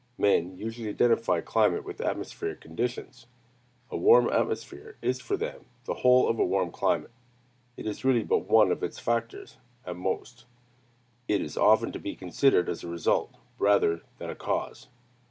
Men usually identify climate with atmospheric conditions. A warm atmosphere is for them the whole of a warm climate: it is really but one of its factors, at most: it is often to be considered as a result, rather than a cause.